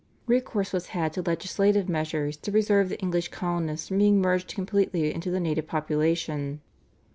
Recourse was had to legislative measures to preserve the English colonists from being merged completely into the native population.